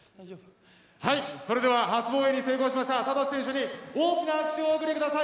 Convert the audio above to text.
では、初防衛に成功したサトシ選手に大きな拍手をお送りください。